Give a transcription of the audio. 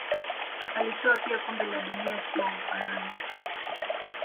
Alitwaa pia kombe la dunia akiwa Ufaransa